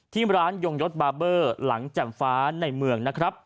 ที่ร้านยงยศบาร์เบอร์หลังแจ่มฟ้าในเมืองนะครับ